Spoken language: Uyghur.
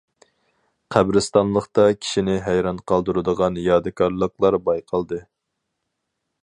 قەبرىستانلىقتا كىشىنى ھەيران قالدۇرىدىغان يادىكارلىقلار بايقالدى.